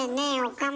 岡村。